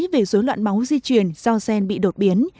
về dối loạn máu di chuyển do gen bị đột biến